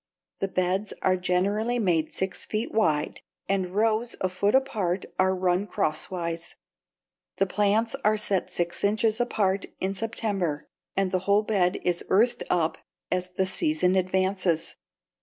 The beds are generally made six feet wide, and rows a foot apart are run crosswise. The plants are set six inches apart, in September, and the whole bed is earthed up as the season advances.